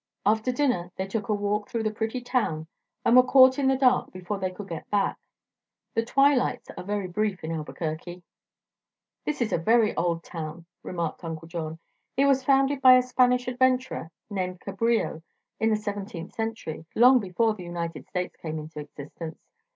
After dinner they took a walk through the pretty town and were caught in the dark before they could get back. The twilights are very brief in Albuquerque. "This is a very old town," remarked Uncle John. "It was founded by a Spanish adventurer named Cabrillo in the seventeenth century, long before the United States came into existence.